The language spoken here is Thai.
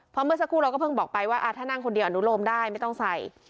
เพราะเมื่อสักครู่เราก็เพิ่งบอกไปว่าถ้านั่งคนเดียวอนุโลมได้ไม่ต้องใส่